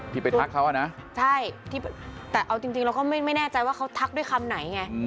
ไปทักเขาอ่ะนะใช่แต่เอาจริงเราก็ไม่แน่ใจว่าเขาทักด้วยคำไหนไง